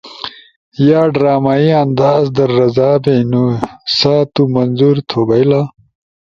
یا ڈرامائی انداز در رضا بیئنو سا تُو منظور تو بئیلا۔